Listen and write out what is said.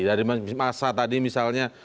dari masa tadi misalnya